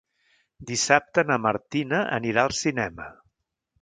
Dissabte na Martina anirà al cinema.